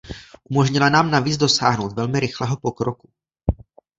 Umožnila nám navíc dosáhnout velmi rychlého pokroku.